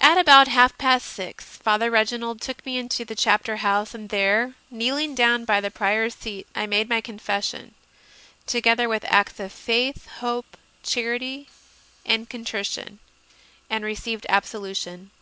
3. At about half past six Father Reginald took me into the Chapter House, and there, kneeling down by the Prior s seat, I made my confession, together with acts of faith, hope, charity, and contrition, and received absolution.